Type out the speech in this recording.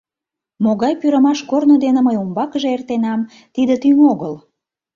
Могай пӱрымаш корно дене мый умбакыже эртенам — тиде тӱҥ огыл.